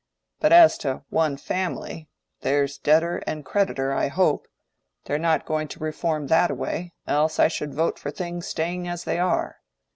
But as to one family, there's debtor and creditor, I hope; they're not going to reform that away; else I should vote for things staying as they are.